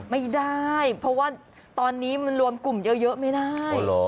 ไม่ได้เพราะว่าตอนนี้มันรวมกลุ่มเยอะไม่ได้